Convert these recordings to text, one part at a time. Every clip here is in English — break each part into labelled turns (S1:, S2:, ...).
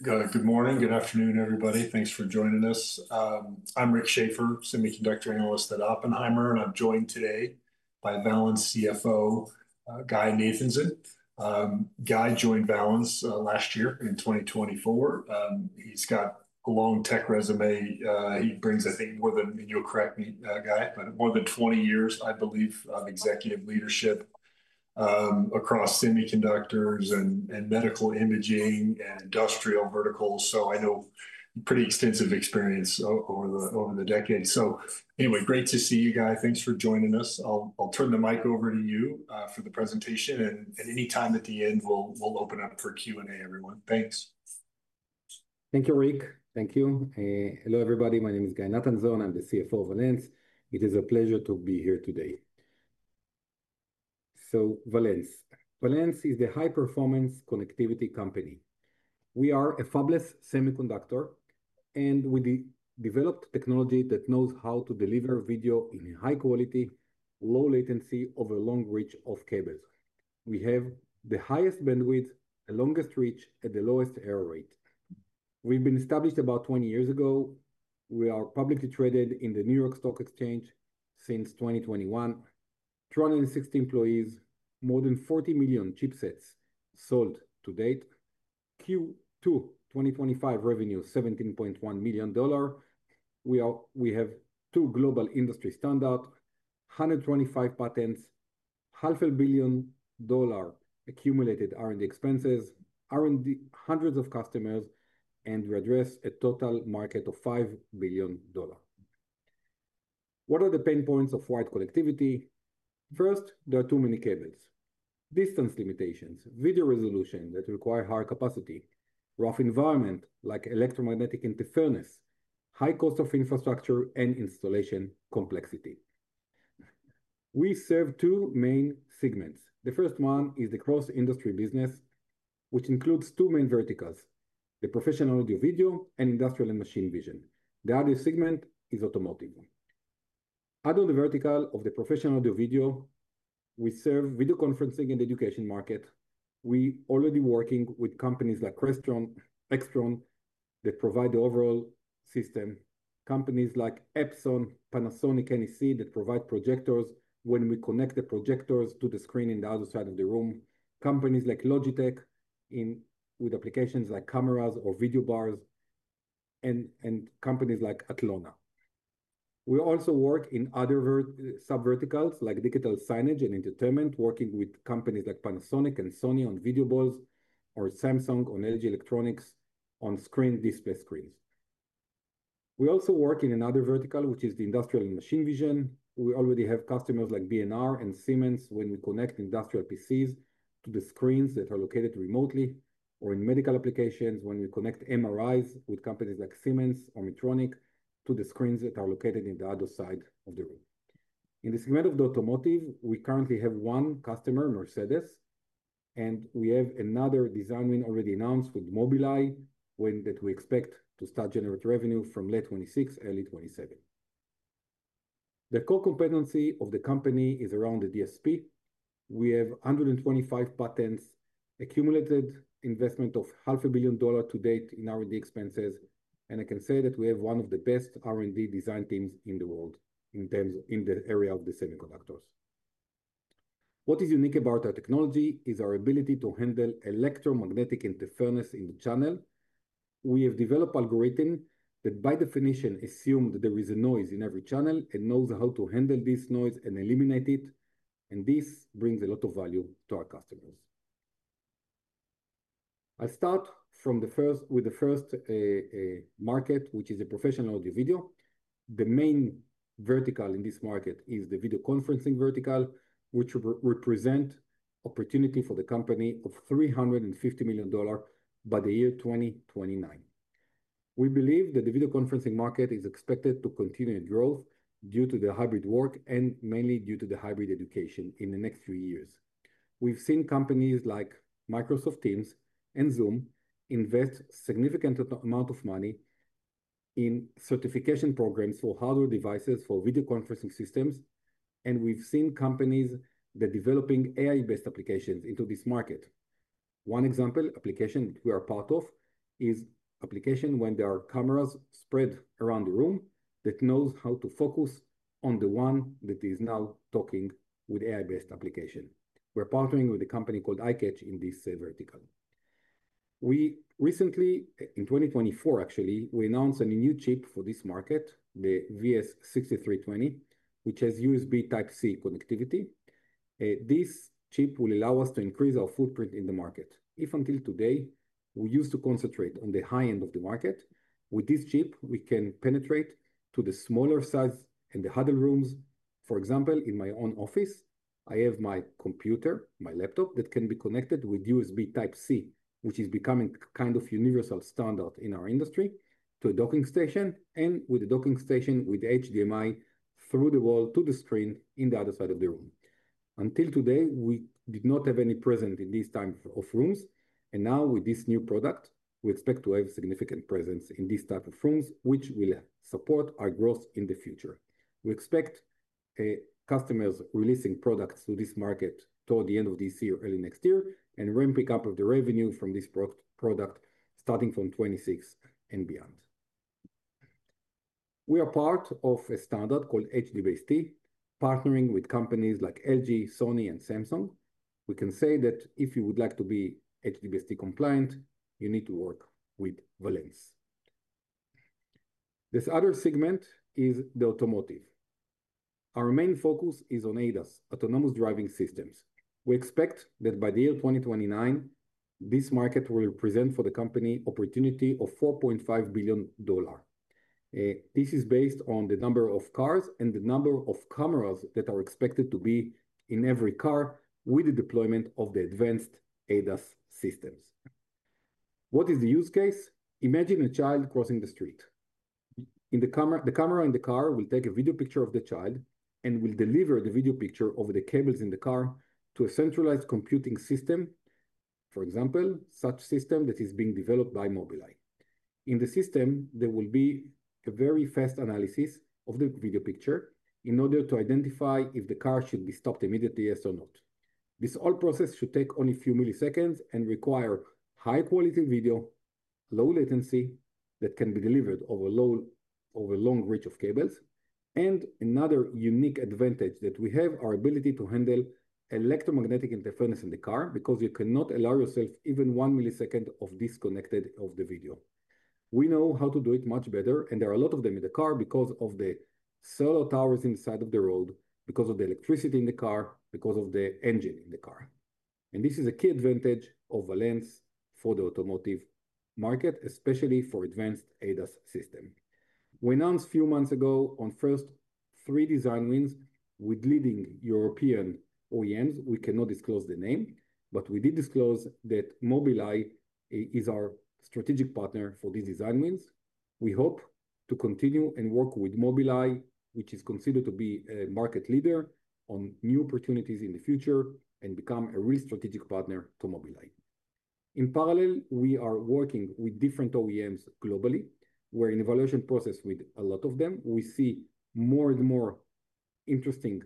S1: Good morning, good afternoon, everybody. Thanks for joining us. I'm Rick Schafer, semiconductor analyst at Oppenheimer, and I'm joined today by Valens Semiconductor CFO, Guy Nathanzon. Guy joined Valens last year in 2024. He's got a long tech resume. He brings, I think, more than, and you'll correct me, Guy, but more than 20 years, I believe, of executive leadership across semiconductors and medical imaging and industrial verticals. I know pretty extensive experience over the decade. Anyway, great to see you, Guy. Thanks for joining us. I'll turn the mic over to you for the presentation, and at any time at the end, we'll open up for Q&A, everyone. Thanks.
S2: Thank you, Rick. Thank you. Hello, everybody. My name is Guy Nathanzon. I'm the CFO of Valens Semiconductor. It is a pleasure to be here today. Valens is the high-performance connectivity company. We are a fabless semiconductor, and we developed technology that knows how to deliver video in high quality, low latency, over a long reach of cables. We have the highest bandwidth, the longest reach, and the lowest error rate. We've been established about 20 years ago. We are publicly traded in the New York Stock Exchange since 2021, 360 employees, more than 40 million chipsets sold to date. Q2 2025 revenue $17.1 million. We have two global industry standouts, 125 patents, half a billion dollars accumulated R&D expenses, hundreds of customers, and we address a total market of $5 billion. What are the pain points of wide connectivity? First, there are too many cables, distance limitations, video resolution that requires high capacity, rough environment like electromagnetic interference, high cost of infrastructure, and installation complexity. We serve two main segments. The first one is the cross-industry business, which includes two main verticals: the professional audio-video and industrial and machine vision. The audio segment is automotive. Under the vertical of the professional audio-video, we serve video conferencing in the education market. We're already working with companies like Crestron, Extron, that provide the overall system, companies like Epson, Panasonic, NEC that provide projectors when we connect the projectors to the screen in the other side of the room, companies like Logitech with applications like cameras or video bars, and companies like Atlona. We also work in other sub-verticals like digital signage and entertainment, working with companies like Panasonic and Sony on video walls or Samsung and LG Electronics on screen display screens. We also work in another vertical, which is the industrial and machine vision. We already have customers like B&R and Siemens when we connect industrial PCs to the screens that are located remotely, or in medical applications when we connect MRIs with companies like Siemens or Medtronic to the screens that are located in the other side of the room. In the segment of the automotive, we currently have one customer, Mercedes-Benz, and we have another design win already announced with Mobileye when we expect to start generating revenue from late 2026, early 2027. The core competency of the company is around the DSP. We have 125 patents, accumulated investment of half a billion dollars to date in R&D expenses, and I can say that we have one of the best R&D design teams in the world in terms of the area of the semiconductors. What is unique about our technology is our ability to handle electromagnetic interference in the channel. We have developed algorithms that, by definition, assume that there is a noise in every channel and know how to handle this noise and eliminate it, and this brings a lot of value to our customers. I'll start with the first market, which is the ProAV. The main vertical in this market is the video conferencing vertical, which represents an opportunity for the company of $350 million by the year 2029. We believe that the video conferencing market is expected to continue growth due to the hybrid work and mainly due to the hybrid education in the next few years. We've seen companies like Microsoft Teams and Zoom invest a significant amount of money in certification programs for hardware devices for video conferencing systems, and we've seen companies that are developing AI-based applications into this market. One example application that we are part of is an application when there are cameras spread around the room that know how to focus on the one that is now talking with an AI-based application. We're partnering with a company called iCatch in this vertical. We recently, in 2024, actually, we announced a new chip for this market, the VS6320, which has USB Type-C connectivity. This chip will allow us to increase our footprint in the market. If until today, we used to concentrate on the high end of the market, with this chip, we can penetrate to the smaller size and the huddle rooms. For example, in my own office, I have my computer, my laptop that can be connected with USB Type-C, which is becoming kind of a universal standard in our industry, to a docking station, and with a docking station with HDMI through the wall to the screen in the other side of the room. Until today, we did not have any presence in these types of rooms, and now with this new product, we expect to have a significant presence in these types of rooms, which will support our growth in the future. We expect customers releasing products to this market toward the end of this year, early next year, and ramping up the revenue from this product starting from 2026 and beyond. We are part of a standard called HDBaseT, partnering with companies like LG, Sony, and Samsung. We can say that if you would like to be HDBaseT compliant, you need to work with Valens. This other segment is the automotive. Our main focus is on ADAS, Autonomous Driving Systems. We expect that by the year 2029, this market will present for the company an opportunity of $4.5 billion. This is based on the number of cars and the number of cameras that are expected to be in every car with the deployment of the advanced ADAS systems. What is the use case? Imagine a child crossing the street. In the camera, the camera in the car will take a video picture of the child and will deliver the video picture over the cables in the car to a centralized computing system, for example, such a system that is being developed by Mobileye. In the system, there will be a very fast analysis of the video picture in order to identify if the car should be stopped immediately, yes or not. This whole process should take only a few milliseconds and require high-quality video, low latency that can be delivered over a long reach of cables. Another unique advantage that we have is our ability to handle electromagnetic interference in the car because you cannot allow yourself even one millisecond of disconnection of the video. We know how to do it much better, and there are a lot of them in the car because of the solar towers inside of the road, because of the electricity in the car, because of the engine in the car. This is a key advantage of Valens for the automotive market, especially for advanced ADAS systems. We announced a few months ago the first three design wins with leading European OEMs. We cannot disclose the name, but we did disclose that Mobileye is our strategic partner for these design wins. We hope to continue and work with Mobileye, which is considered to be a market leader, on new opportunities in the future and become a real strategic partner to Mobileye. In parallel, we are working with different OEMs globally. We're in an evaluation process with a lot of them. We see more and more interesting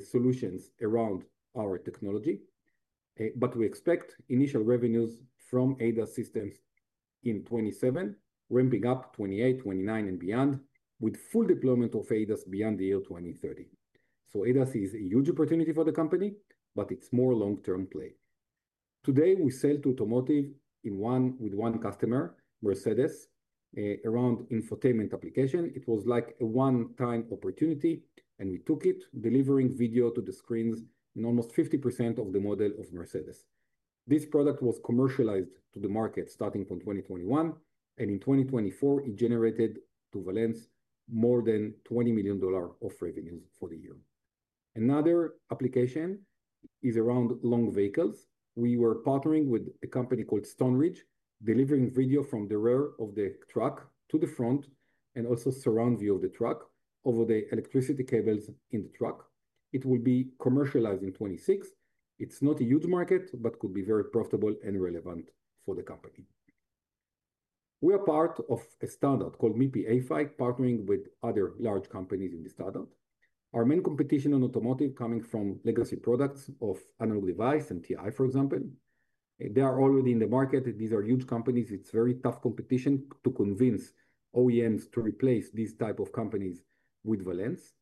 S2: solutions around our technology. We expect initial revenues from ADAS systems in 2027, ramping up 2028, 2029, and beyond, with full deployment of ADAS beyond the year 2030. ADAS is a huge opportunity for the company, but it's more a long-term play. Today, we sell to automotive with one customer, Mercedes, around infotainment applications. It was like a one-time opportunity, and we took it, delivering video to the screens in almost 50% of the models of Mercedes-Benz. This product was commercialized to the market starting from 2021, and in 2024, it generated to Valens more than $20 million of revenues for the year. Another application is around long vehicles. We were partnering with a company called Stoneridge, delivering video from the rear of the truck to the front and also a surround view of the truck over the electricity cables in the truck. It will be commercialized in 2026. It's not a huge market, but could be very profitable and relevant for the company. We are part of a standard called MIPI A-PHY, partnering with other large companies in the standard. Our main competition in automotive comes from legacy products of Analog Devices and TI, for example. They are already in the market, and these are huge companies. It's a very tough competition to convince OEMs to replace these types of companies with Valens.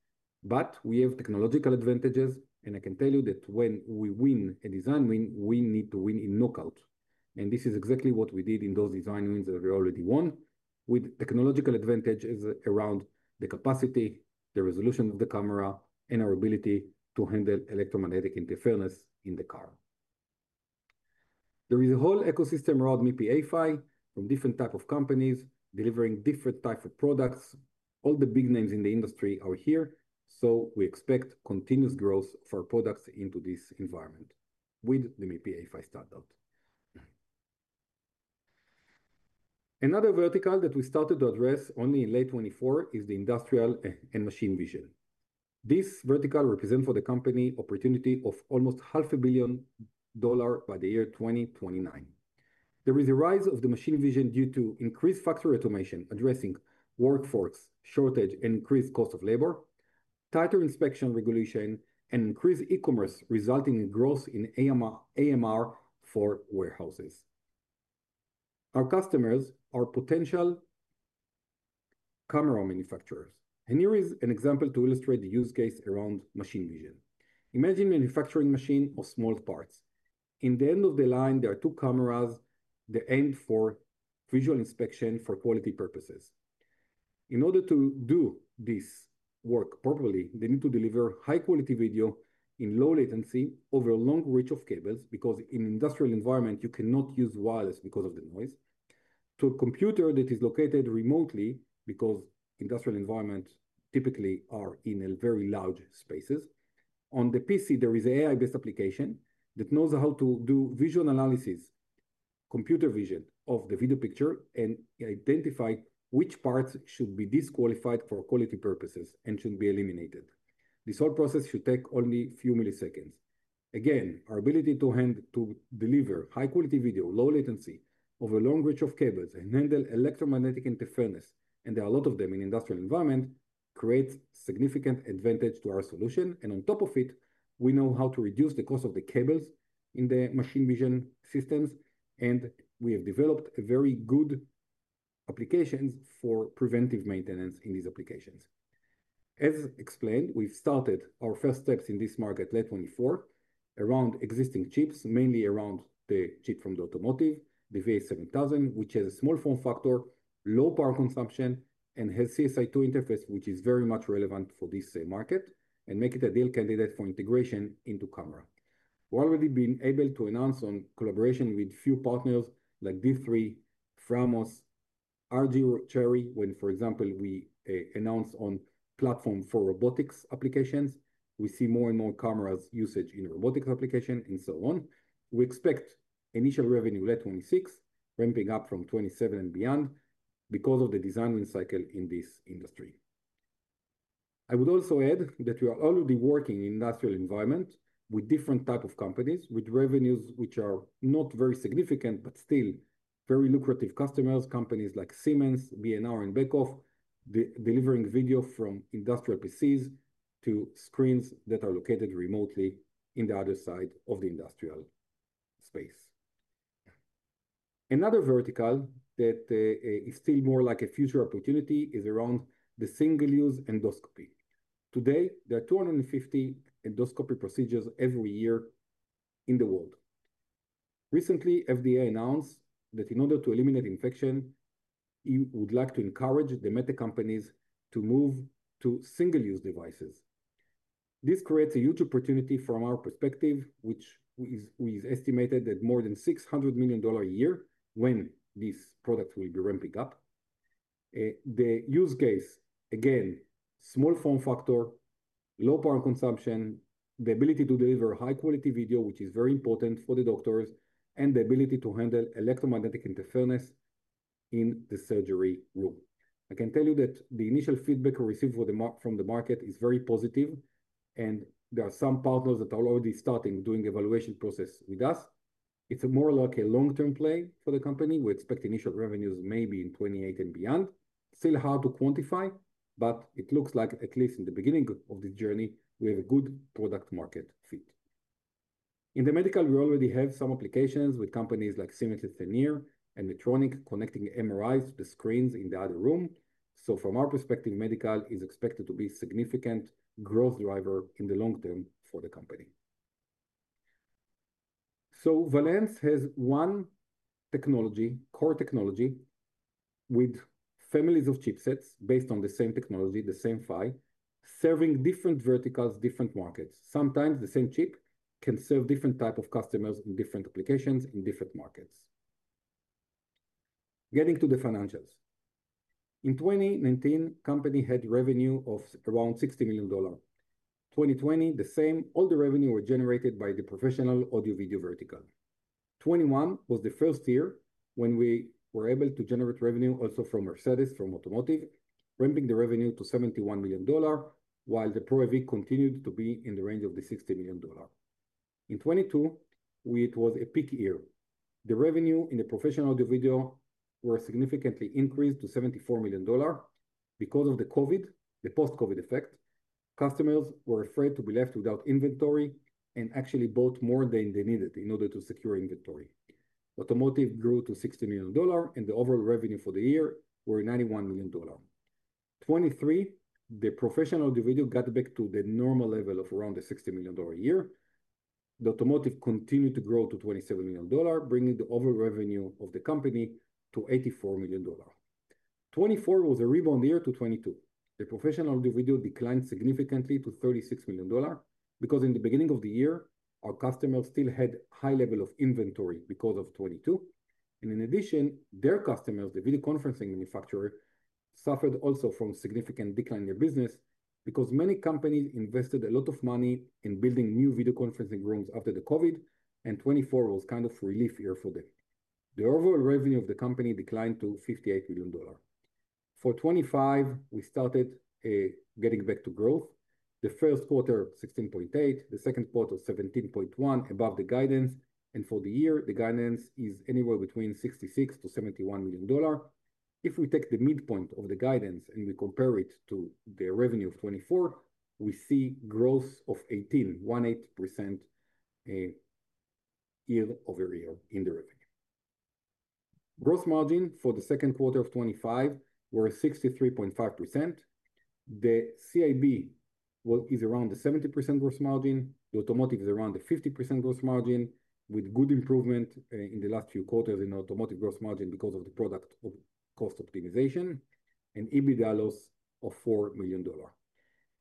S2: We have technological advantages, and I can tell you that when we win a design win, we need to win in knockout. This is exactly what we did in those design wins that we already won, with technological advantages around the capacity, the resolution of the camera, and our ability to handle electromagnetic interference in the car. There is a whole ecosystem around MIPI A-PHY from different types of companies delivering different types of products. All the big names in the industry are here, so we expect continuous growth for our products into this environment with the MIPI A-PHY standard. Another vertical that we started to address only in late 2024 is the industrial and machine vision. This vertical represents for the company an opportunity of almost $0.5 billion by the year 2029. There is a rise of the machine vision due to increased factory automation, addressing workforce shortage and increased cost of labor, tighter inspection regulation, and increased e-commerce, resulting in growth in AMR for warehouses. Our customers are potential camera manufacturers. Here is an example to illustrate the use case around machine vision. Imagine a manufacturing machine of small parts. In the end of the line, there are two cameras that are aimed for visual inspection for quality purposes. In order to do this work properly, they need to deliver high-quality video in low latency over a long reach of cables because in an industrial environment, you cannot use wireless because of the noise. To a computer that is located remotely, because industrial environments typically are in very large spaces, on the PC, there is an AI-based application that knows how to do visual analysis, computer vision of the video picture, and identify which parts should be disqualified for quality purposes and should be eliminated. This whole process should take only a few milliseconds. Our ability to deliver high-quality video, low latency over a long reach of cables, and handle electromagnetic interference, and there are a lot of them in the industrial environment, creates a significant advantage to our solution. On top of it, we know how to reduce the cost of the cables in the machine vision systems, and we have developed very good applications for preventive maintenance in these applications. As explained, we've started our first steps in this market late 2024 around existing chips, mainly around the chip from the automotive, the VA7000, which has a small form factor, low power consumption, and has CSI2 interface, which is very much relevant for this market, and makes it an ideal candidate for integration into camera. We've already been able to announce on collaboration with a few partners like D3, FRAMOS, RGo Robotics, CHERRY Embedded Solutions, when, for example, we announced on platform for robotics applications. We see more and more cameras usage in robotics applications and so on. We expect initial revenue late 2026, ramping up from 2027 and beyond because of the design win cycle in this industry. I would also add that we are already working in the industrial environment with different types of companies with revenues which are not very significant, but still very lucrative customers, companies like Siemens, B&R, and Beckhoff, delivering video from industrial PCs to screens that are located remotely in the other side of the industrial space. Another vertical that is still more like a future opportunity is around the single-use endoscopy. Today, there are 250 million endoscopy procedures every year in the world. Recently, the FDA announced that in order to eliminate infection, it would like to encourage the MedTech companies to move to single-use devices. This creates a huge opportunity from our perspective, which is estimated at more than $600 million a year when this product will be ramping up. The use case, again, small form factor, low power consumption, the ability to deliver high-quality video, which is very important for the doctors, and the ability to handle electromagnetic interference in the surgery room. I can tell you that the initial feedback we received from the market is very positive, and there are some partners that are already starting doing the evaluation process with us. It's more like a long-term play for the company. We expect initial revenues maybe in 2028 and beyond. Still hard to quantify, but it looks like at least in the beginning of this journey, we have a good product-market fit. In the medical, we already have some applications with companies like Siemens and Medtronic connecting MRIs to the screens in the other room. From our perspective, medical is expected to be a significant growth driver in the long term for the company. Valens has one technology, core technology, with families of chipsets based on the same technology, the same file, serving different verticals, different markets. Sometimes the same chip can serve different types of customers in different applications in different markets. Getting to the financials. In 2019, the company had revenue of around $60 million. In 2020, the same, all the revenue were generated by the professional audio-video vertical. 2021 was the first year when we were able to generate revenue also from Mercedes-Benz, from automotive, ramping the revenue to $71 million, while the ProAV continued to be in the range of the $60 million. In 2022, it was a peak year. The revenue in the professional audio-video was significantly increased to $74 million because of the COVID, the post-COVID effect. Customers were afraid to be left without inventory and actually bought more than they needed in order to secure inventory. Automotive grew to $16 million, and the overall revenue for the year was $91 million. In 2023, the professional audio-video got back to the normal level of around the $60 million a year. The automotive continued to grow to $27 million, bringing the overall revenue of the company to $84 million. 2024 was a rebound year to 2022. The professional audio-video declined significantly to $36 million because in the beginning of the year, our customers still had a high level of inventory because of 2022. In addition, their customers, the video conferencing manufacturer, suffered also from a significant decline in their business because many companies invested a lot of money in building new video conferencing rooms after COVID, and 2024 was kind of a relief year for them. The overall revenue of the company declined to $58 million. For 2025, we started getting back to growth. The first quarter, $16.8 million, the second quarter, $17.1 million above the guidance, and for the year, the guidance is anywhere between $66-$71 million. If we take the midpoint of the guidance and we compare it to the revenue of 2024, we see growth of 18% year-over-year in the revenue. Gross margin for the second quarter of 2025 was 63.5%. The CIB is around the 70% gross margin. The automotive is around the 50% gross margin, with good improvement in the last few quarters in the automotive gross margin because of the product of cost optimization, and EBITDA loss of $4 million.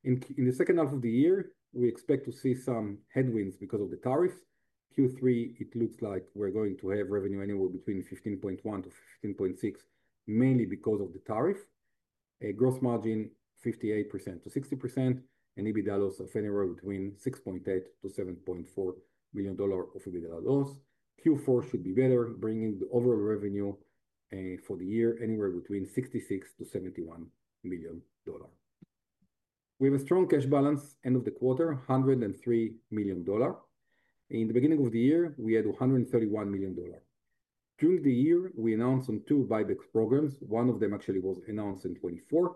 S2: In the second half of the year, we expect to see some headwinds because of the tariffs. Q3, it looks like we're going to have revenue anywhere between $15.1 million-$15.6 million, mainly because of the tariff. A gross margin of 58% to 60%, and EBITDA loss of anywhere between $6.8 million-$7.4 million of EBITDA loss. Q4 should be better, bringing the overall revenue for the year anywhere between $66 million-$71 million. We have a strong cash balance end of the quarter, $103 million. In the beginning of the year, we had $131 million. Through the year, we announced on two buyback programs. One of them actually was announced in 2024,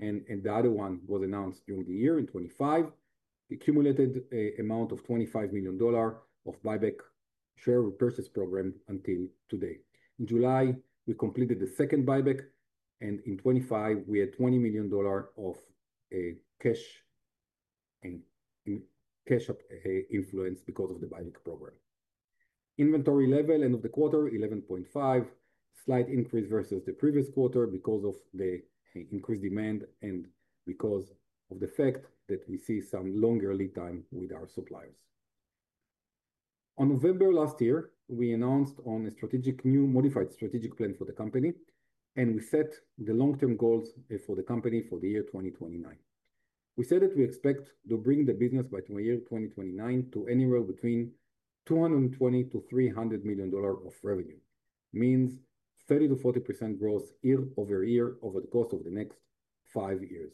S2: and the other one was announced during the year in 2025. We accumulated an amount of $25 million of buyback share repurchase program until today. In July, we completed the second buyback, and in 2025, we had $20 million of cash influence because of the buyback program. Inventory level end of the quarter, $11.5 million. Slight increase versus the previous quarter because of the increased demand and because of the fact that we see some longer lead time with our suppliers. In November last year, we announced on a strategic new modified strategic plan for the company, and we set the long-term goals for the company for the year 2029. We said that we expect to bring the business by the year 2029 to anywhere between $220 million-$300 million of revenue. It means 30%-40% growth year-over-year over the course of the next five years.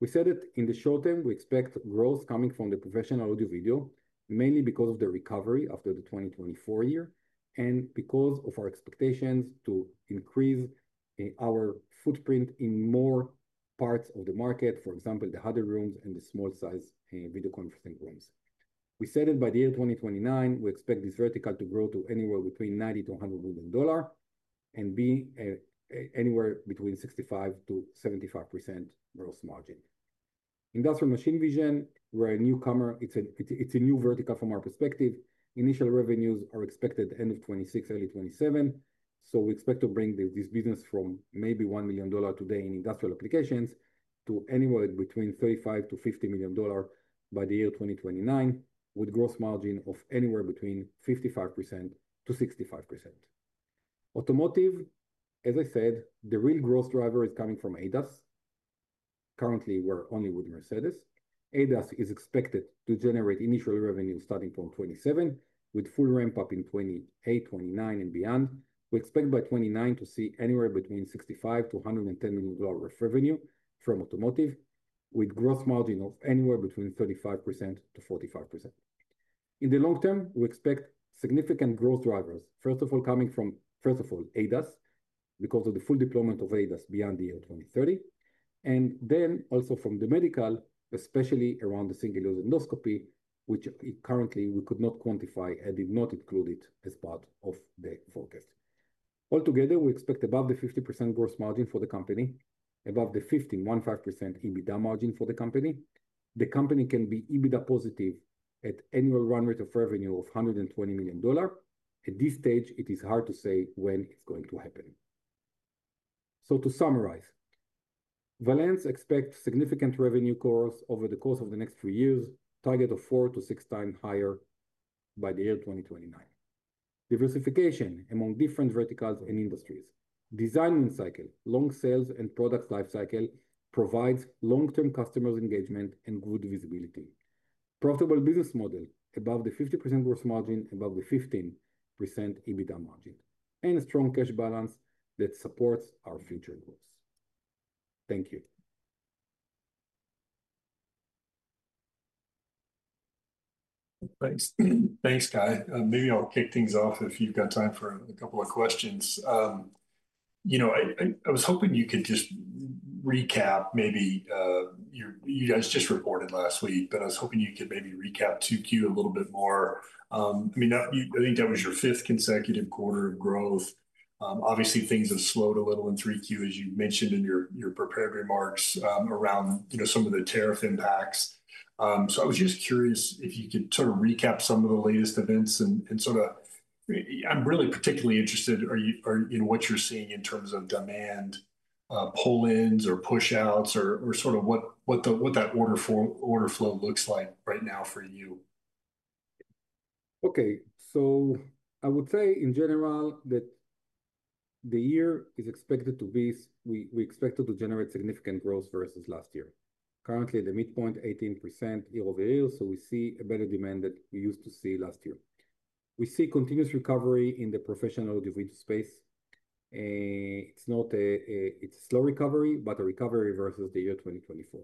S2: We said that in the short term, we expect growth coming from the professional audio-video, mainly because of the recovery after the 2024 year and because of our expectations to increase our footprint in more parts of the market, for example, the huddle rooms and the small-size video conferencing rooms. We said that by the year 2029, we expect this vertical to grow to anywhere between $90 million-$100 million and be anywhere between 65%-75% gross margin. Industrial machine vision, we're a newcomer. It's a new vertical from our perspective. Initial revenues are expected at the end of 2026, early 2027. We expect to bring this business from maybe $1 million today in industrial applications to anywhere between $35 million-$50 million by the year 2029, with a gross margin of anywhere between 55%-65%. Automotive, as I said, the real growth driver is coming from ADAS. Currently, we're only with Mercedes-Benz. ADAS is expected to generate initial revenue starting from 2027, with a full ramp-up in 2028, 2029, and beyond. We expect by 2029 to see anywhere between $65 million-$110 million of revenue from automotive, with a gross margin of anywhere between 35%-45%. In the long term, we expect significant growth drivers, first of all, coming from, first of all, ADAS because of the full deployment of ADAS beyond the year 2030, and then also from the medical, especially around the single-use endoscopy, which currently we could not quantify and did not include it as part of the forecast. Altogether, we expect above the 50% gross margin for the company, above the 15% EBITDA margin for the company. The company can be EBITDA positive at an annual run rate of revenue of $120 million. At this stage, it is hard to say when it's going to happen. To summarize, Valens expects significant revenue growth over the course of the next few years, target of four to six times higher by the year 2029. Diversification among different verticals and industries. Design win cycle, long sales and product life cycle provide long-term customer engagement and good visibility. Profitable business model, above the 50% gross margin, above the 15% EBITDA margin, and a strong cash balance that supports our future growth. Thank you.
S1: Thanks, Guy. Maybe I'll kick things off if you've got time for a couple of questions. I was hoping you could just recap, maybe you guys just reported last week, but I was hoping you could maybe recap 2Q a little bit more. I mean, I think that was your fifth consecutive quarter of growth. Obviously, things have slowed a little in 3Q, as you mentioned in your prepared remarks around some of the tariff impacts. I was just curious if you could sort of recap some of the latest events and sort of, I'm really particularly interested in what you're seeing in terms of demand, pull-ins, or push-outs, or sort of what that order flow looks like right now for you.
S2: Okay. I would say in general that the year is expected to be, we expect it to generate significant growth versus last year. Currently, the midpoint is 18% year-over-year, so we see a better demand than we used to see last year. We see continuous recovery in the professional audio-video space. It's not a slow recovery, but a recovery versus the year 2024.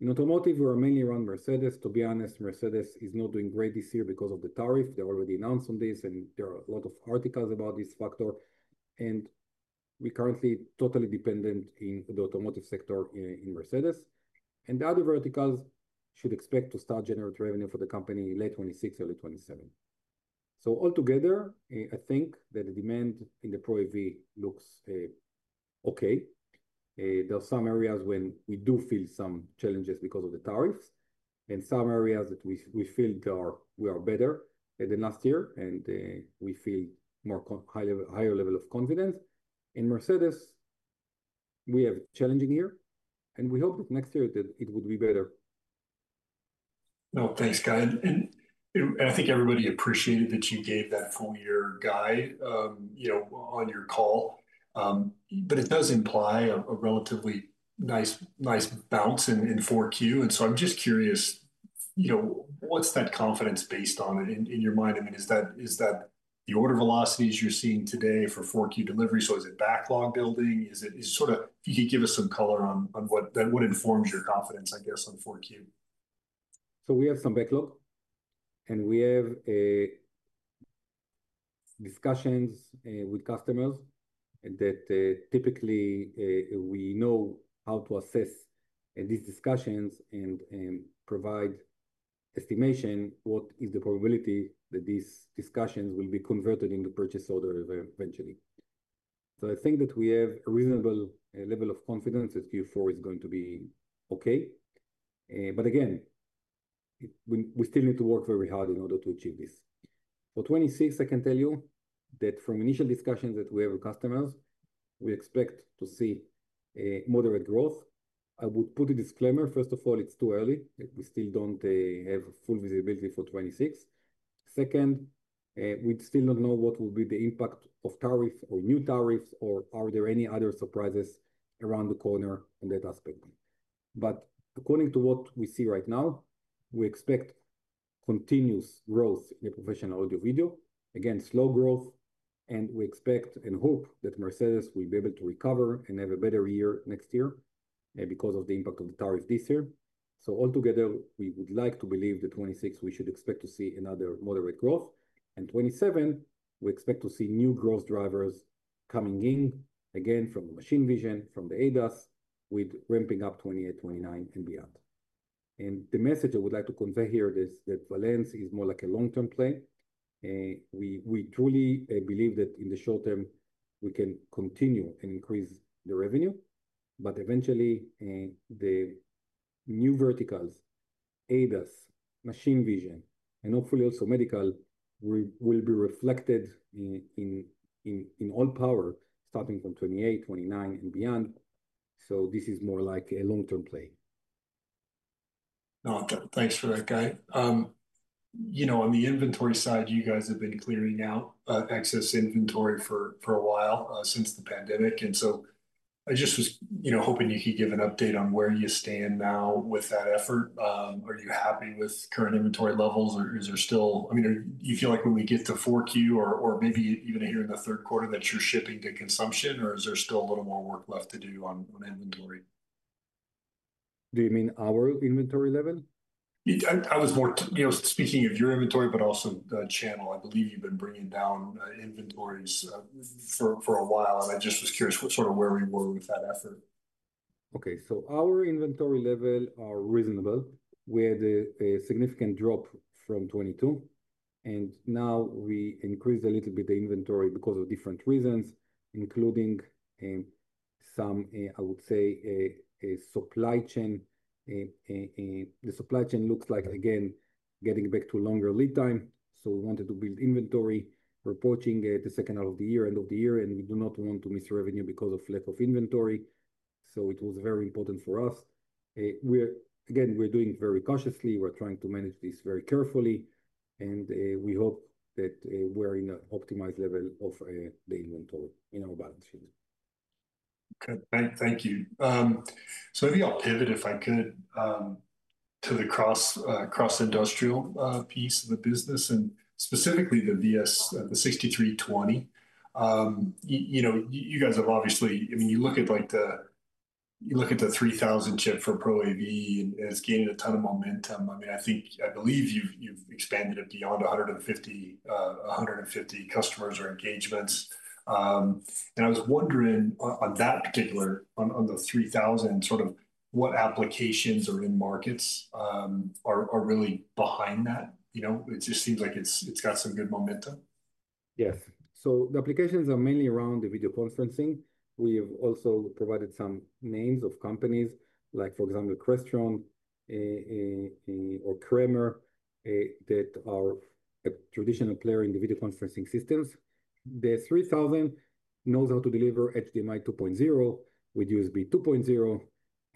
S2: In automotive, we are mainly run by Mercedes-Benz. To be honest, Mercedes-Benz is not doing great this year because of the tariffs. They already announced on this, and there are a lot of articles about this factor. We're currently totally dependent in the automotive sector on Mercedes-Benz. The other verticals should expect to start generating revenue for the company in late 2026, early 2027. Altogether, I think that the demand in the ProAV looks okay. There are some areas where we do feel some challenges because of the tariffs, and some areas that we feel we are better than last year, and we feel a higher level of confidence. In Mercedes-Benz, we have a challenging year, and we hope next year that it would be better.
S1: Oh, thanks, Guy. I think everybody appreciated that you gave that full-year guide on your call. It does imply a relatively nice bounce in 4Q. I'm just curious, what's that confidence based on in your mind? I mean, is that the order velocities you're seeing today for 4Q delivery? Is it backlog building? Can you give us some color on what informs your confidence, I guess, on 4Q?
S2: We have some backlog, and we have discussions with customers that typically we know how to assess these discussions and provide estimation of what is the probability that these discussions will be converted into purchase orders eventually. I think that we have a reasonable level of confidence that Q4 is going to be okay. Again, we still need to work very hard in order to achieve this. For 2026, I can tell you that from initial discussions that we have with customers, we expect to see moderate growth. I would put a disclaimer. First of all, it's too early. We still don't have full visibility for 2026. Second, we still don't know what will be the impact of tariffs or new tariffs, or are there any other surprises around the corner on that aspect. According to what we see right now, we expect continuous growth in the professional audio-video, again, slow growth, and we expect and hope that Mercedes-Benz will be able to recover and have a better year next year because of the impact of the tariffs this year. Altogether, we would like to believe that 2026, we should expect to see another moderate growth. In 2027, we expect to see new growth drivers coming in, again, from the machine vision, from the ADAS, with ramping up 2028, 2029, and beyond. The message I would like to convey here is that Valens is more like a long-term play. We truly believe that in the short term, we can continue and increase the revenue, but eventually, the new verticals, ADAS, machine vision, and hopefully also medical will be reflected in all power, starting from 2028, 2029, and beyond. This is more like a long-term play.
S1: Thanks for that, Guy. On the inventory side, you guys have been clearing out excess inventory for a while since the pandemic. I just was hoping you could give an update on where you stand now with that effort. Are you happy with current inventory levels, or is there still, I mean, do you feel like when we get to 4Q or maybe even here in the third quarter that you're shipping to consumption, or is there still a little more work left to do on inventory?
S2: Do you mean our inventory level?
S1: I was speaking of your inventory, but also the channel. I believe you've been bringing down inventories for a while. I just was curious where we were with that effort.
S2: Okay. Our inventory levels are reasonable. We had a significant drop from 2022, and now we increased a little bit the inventory because of different reasons, including, I would say, supply chain. The supply chain looks like, again, getting back to a longer lead time. We wanted to build inventory. We're approaching the second half of the year, end of the year, and we do not want to miss revenue because of lack of inventory. It was very important for us. We're doing this very cautiously. We're trying to manage this very carefully. We hope that we're in an optimized level of the inventory in our balance sheet.
S1: Okay. Thank you. Maybe I'll end it if I could, to the cross-industrial piece of the business and specifically the VS6320. You know, you guys have obviously, I mean, you look at like the, you look at the 3,000 chip for ProAV and it's gained a ton of momentum. I mean, I think, I believe you've expanded it beyond 150, 150 customers or engagements. I was wondering on that particular, on the 3,000, sort of what applications or end markets are really behind that. You know, it just seems like it's got some good momentum.
S2: Yes. The applications are mainly around video conferencing. We've also provided some names of companies, like, for example, Crestron or Kramer, that are a traditional player in the video conferencing systems. The VS3000 knows how to deliver HDMI 2.0 with USB 2.0,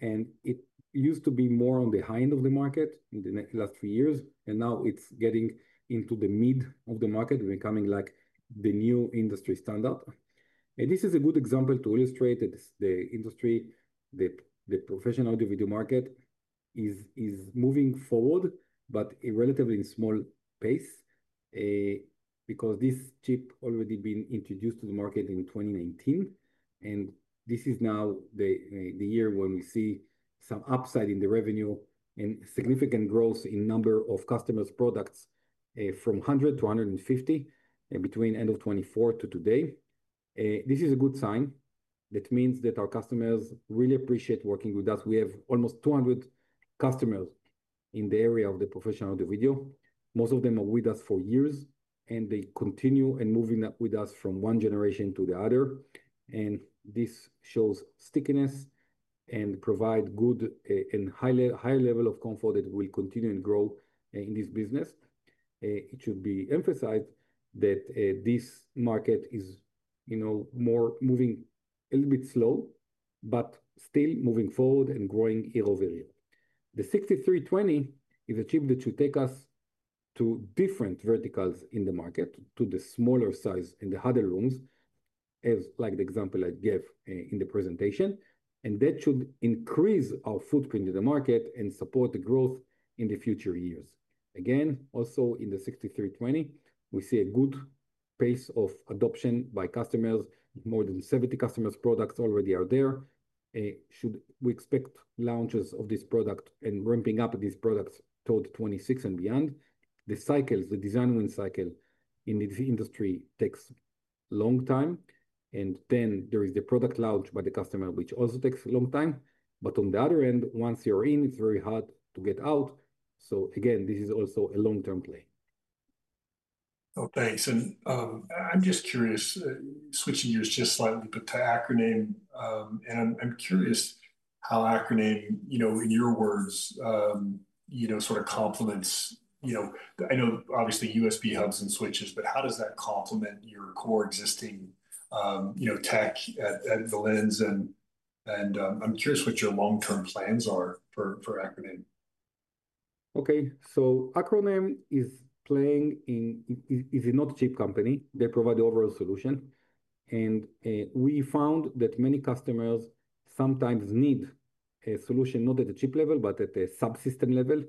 S2: and it used to be more on the high end of the market in the last few years, and now it's getting into the mid of the market, becoming like the new industry standard. This is a good example to illustrate that the industry, the professional audio-video market, is moving forward, but at a relatively small pace because this chip has already been introduced to the market in 2019. This is now the year when we see some upside in the revenue and significant growth in the number of customers' products from 100 to 150 between the end of 2024 to today. This is a good sign. That means that our customers really appreciate working with us. We have almost 200 customers in the area of professional audio-video. Most of them are with us for years, and they continue and move with us from one generation to the other. This shows stickiness and provides a good and high level of comfort that will continue and grow in this business. It should be emphasized that this market is, you know, moving a little bit slow, but still moving forward and growing year-over-year. The VS6320 is a chip that should take us to different verticals in the market, to the smaller size and the huddle rooms, as like the example I gave in the presentation. That should increase our footprint in the market and support the growth in the future years. Again, also in the VS6320, we see a good pace of adoption by customers. More than 70 customers' products already are there. Should we expect launches of this product and ramping up these products toward 2026 and beyond? The cycles, the design win cycle in this industry takes a long time, and then there is the product launch by the customer, which also takes a long time. On the other end, once you're in, it's very hard to get out. This is also a long-term play.
S1: I'm just curious, switching gears just slightly, to Acroname. I'm curious how Acroname, in your words, sort of complements, I know obviously USB hubs and switches, but how does that complement your core existing tech at Valens? I'm curious what your long-term plans are for Acroname.
S2: Okay. Acroname is playing in, is not a cheap company. They provide the overall solution. We found that many customers sometimes need a solution not at the chip level, but at the subsystem level.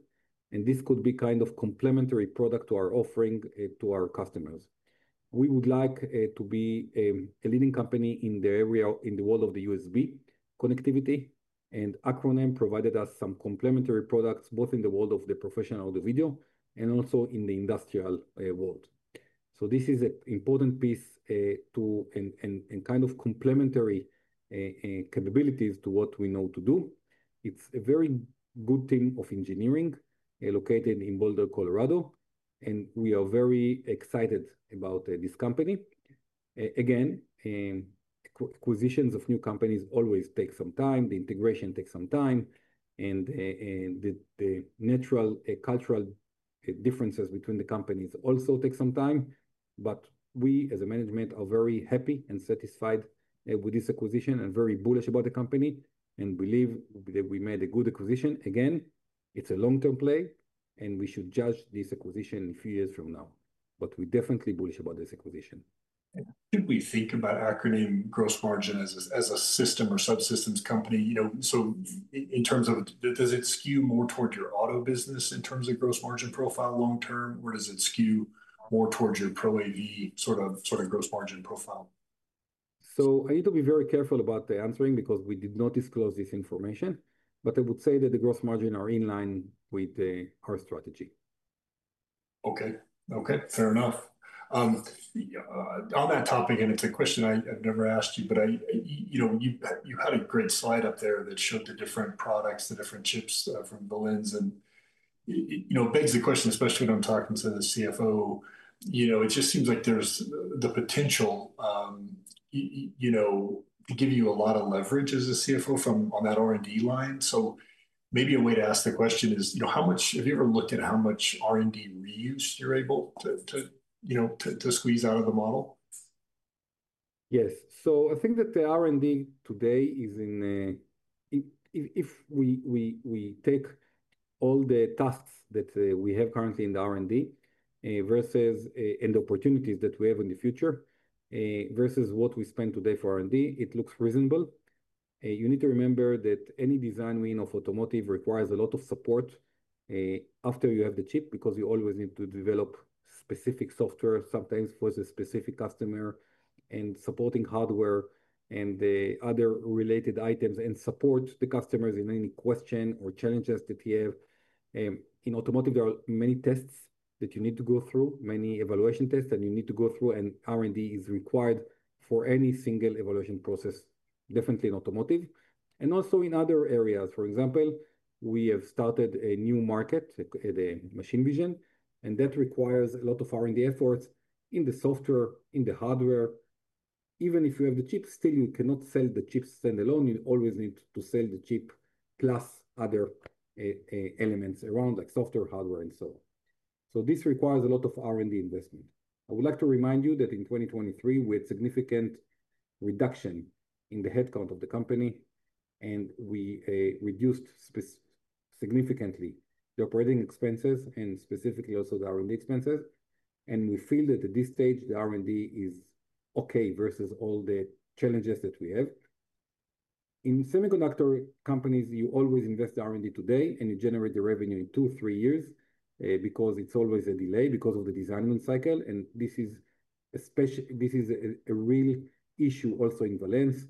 S2: This could be kind of a complementary product to our offering to our customers. We would like to be a leading company in the area in the world of the USB connectivity, and Acroname provided us some complementary products both in the world of the professional audio video and also in the industrial world. This is an important piece too and kind of complementary capabilities to what we know to do. It's a very good team of engineering located in Boulder, Colorado, and we are very excited about this company. Acquisitions of new companies always take some time. The integration takes some time, and the natural cultural differences between the companies also take some time. We, as a management, are very happy and satisfied with this acquisition and very bullish about the company and believe that we made a good acquisition. It's a long-term play, and we should judge this acquisition a few years from now. We're definitely bullish about this acquisition.
S1: I think we think about gross margin as a system or subsystems company. In terms of, does it skew more toward your auto business in terms of gross margin profile long term, or does it skew more towards your ProAV sort of gross margin profile?
S2: I need to be very careful about the answering because we did not disclose this information, but I would say that the gross margins are in line with our strategy.
S1: Okay. Fair enough. On that topic, and it's a question I've never asked you, but you know, you had a great slide up there that showed the different products, the different chips from Valens, and it begs the question, especially when I'm talking to the CFO. It just seems like there's the potential, you know, to give you a lot of leverage as a CFO from on that R&D line. Maybe a way to ask the question is, you know, how much, have you ever looked at how much R&D reuse you're able to, you know, to squeeze out of the model?
S2: Yes. I think that the R&D today is in, if we take all the tasks that we have currently in the R&D versus end opportunities that we have in the future versus what we spend today for R&D, it looks reasonable. You need to remember that any design win of automotive requires a lot of support after you have the chip because you always need to develop specific software sometimes for a specific customer and supporting hardware and the other related items and support the customers in any question or challenges that you have. In automotive, there are many tests that you need to go through, many evaluation tests that you need to go through, and R&D is required for any single evaluation process, definitely in automotive. Also in other areas, for example, we have started a new market, the machine vision, and that requires a lot of R&D efforts in the software, in the hardware. Even if you have the chips, still you cannot sell the chips standalone. You always need to sell the chip plus other elements around, like software, hardware, and so on. This requires a lot of R&D investment. I would like to remind you that in 2023, with a significant reduction in the headcount of the company, we reduced significantly the operating expenses and specifically also the R&D expenses. We feel that at this stage, the R&D is okay versus all the challenges that we have. In semiconductor companies, you always invest the R&D today, and you generate the revenue in two, three years because it's always a delay because of the design win cycle. This is a real issue also in Valens.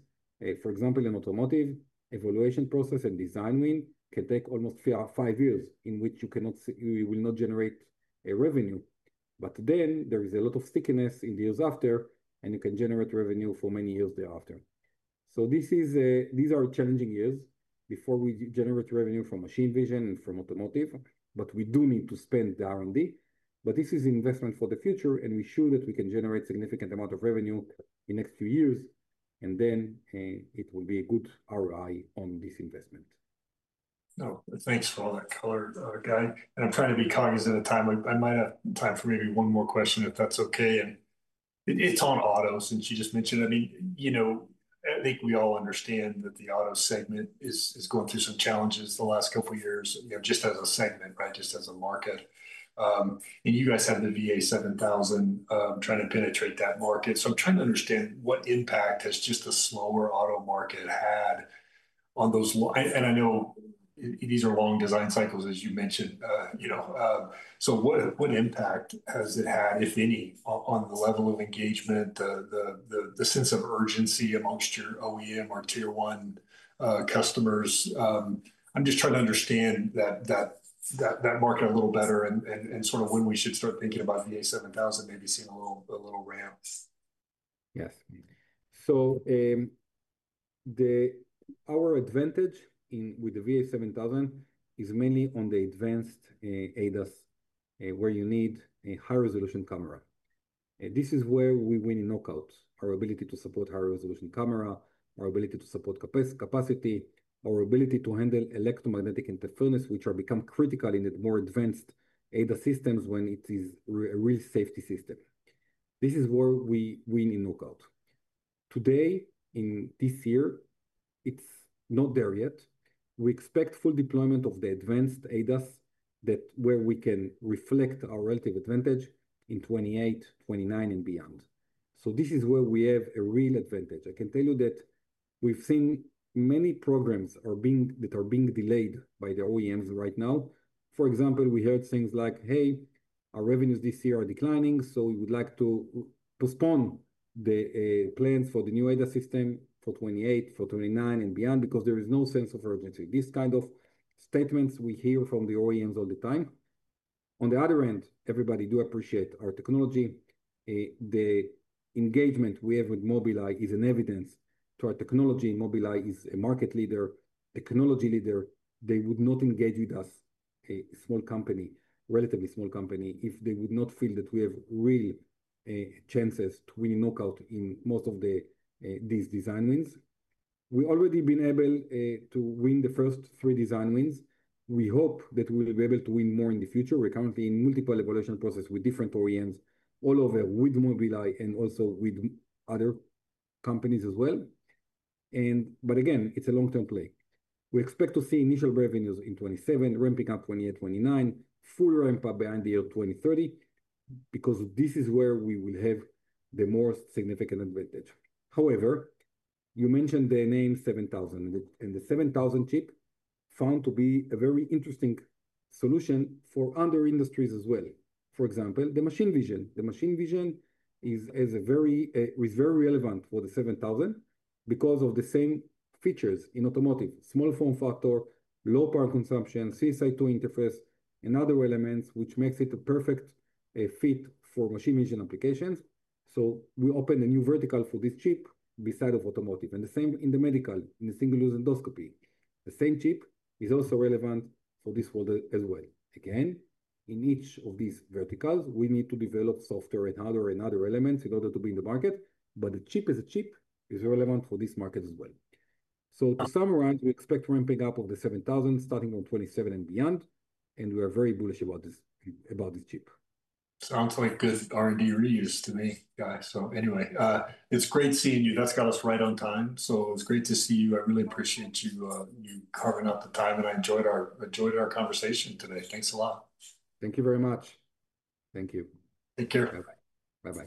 S2: For example, in automotive, the evaluation process and design win can take almost five years in which you cannot, you will not generate a revenue. There is a lot of stickiness in the years after, and you can generate revenue for many years thereafter. These are challenging years before we generate revenue from machine vision and from automotive, but we do need to spend the R&D. This is an investment for the future, and we show that we can generate a significant amount of revenue in the next few years, and then it will be a good ROI on this investment.
S1: No, that's nice for all that colored guide. I'm trying to be cognizant of the time. I might have time for maybe one more question if that's okay. It's on auto since you just mentioned. I mean, I think we all understand that the auto segment is going through some challenges the last couple of years, just as a segment, just as a market. You guys had the VA7000 trying to penetrate that market. I'm trying to understand what impact has just a slower auto market had on those, and I know these are long design cycles, as you mentioned, so what impact has it had, if any, on the level of engagement, the sense of urgency amongst your OEM or tier one customers? I'm just trying to understand that market a little better and sort of when we should start thinking about VA7000, maybe seeing a little ramp.
S2: Yes. Our advantage with the VA7000 is mainly on the advanced ADAS, where you need a high-resolution camera. This is where we win in knockouts, our ability to support high-resolution camera, our ability to support capacity, our ability to handle electromagnetic interference, which becomes critical in the more advanced ADAS systems when it is a real safety system. This is where we win in knockout. Today, in this year, it's not there yet. We expect full deployment of the advanced ADAS where we can reflect our relative advantage in 2028, 2029, and beyond. This is where we have a real advantage. I can tell you that we've seen many programs that are being delayed by the OEMs right now. For example, we heard things like, "Hey, our revenues this year are declining, so we would like to postpone the plans for the new ADAS system for 2028, for 2029, and beyond because there is no sense of urgency." These kinds of statements we hear from the OEMs all the time. On the other end, everybody does appreciate our technology. The engagement we have with Mobileye is in evidence. Our technology, Mobileye is a market leader, a technology leader. They would not engage with us, a relatively small company, if they would not feel that we have real chances to win knockout in most of these design wins. We've already been able to win the first three design wins. We hope that we'll be able to win more in the future. We're currently in multiple evaluation processes with different OEMs all over, with Mobileye and also with other companies as well. Again, it's a long-term play. We expect to see initial revenues in 2027, ramping up 2028, 2029, full ramp-up behind the year 2030 because this is where we will have the most significant advantage. However, you mentioned the name 7000, and the 7000 chip is found to be a very interesting solution for other industries as well. For example, the machine vision. The machine vision is very relevant for the 7000 because of the same features in automotive, small form factor, low power consumption, CSI2 interface, and other elements, which makes it a perfect fit for machine vision applications. We opened a new vertical for this chip beside automotive, and the same in the medical, in the single-use endoscopy. The same chip is also relevant for this as well. In each of these verticals, we need to develop software and other elements in order to be in the market, but the chip is a chip, is relevant for this market as well. To summarize, we expect ramping up of the 7000 starting from 2027 and beyond, and we are very bullish about this chip.
S1: Sounds like good R&D reuse to me, guys. Anyway, it's great seeing you. That's got us right on time. It was great to see you. I really appreciate you carving out the time, and I enjoyed our conversation today. Thanks a lot.
S2: Thank you very much. Thank you.
S1: Take care.
S2: Bye-bye.
S1: Bye-bye.